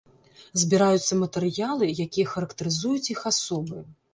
Збіраюцца матэрыялы, якія характарызуюць іх асобы.